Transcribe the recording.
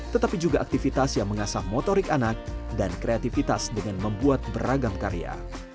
tetapi juga aktivitas yang mengasah motorik anak dan kreativitas dengan membuat beragam karya